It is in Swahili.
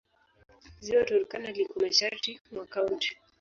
Ziwa Turkana liko mashariki mwa kaunti.